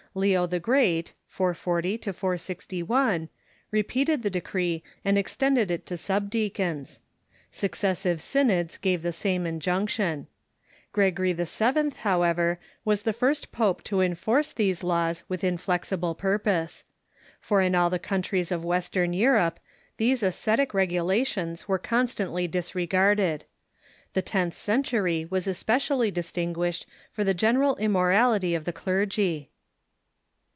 Leo the Great (440 461) repeated the de cree, and extended it to sub deacons. Successive synods gave the same injunction. Gregory VII., however, was the first pope to enforce these laws with inflexible purpose. For in all the countries of Western Europe these ascetic regula tions were constantly disregarded. The tenth century was especially distinguished for the general immorality of the clergy.